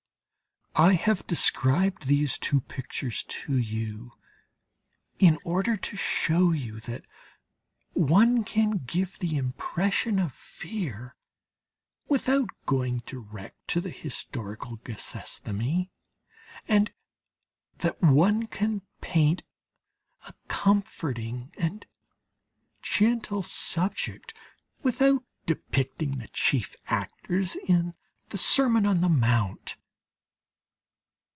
I have described these two pictures to you, in order to show you that one can give the impression of fear, without going direct to the historical Gethsemane, and that one can paint a comforting and gentle subject without depicting the chief actors in the Sermon on the Mount.